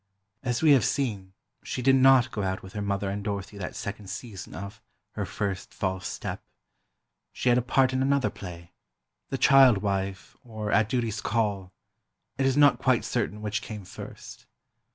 As we have seen, she did not go out with her mother and Dorothy that second season of "Her First False Step." She had a part in another play—"The Child Wife," or "At Duty's Call," it is not quite certain which came first.